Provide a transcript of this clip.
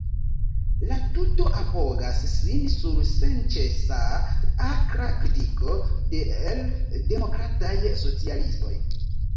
La tuto apogas sin sur senĉesa akra kritiko de l‘ demokrataj socialistoj.